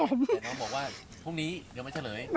เดี๋ยวน้องบอกว่าพรุ่งนี้เดี๋ยวมาเฉลย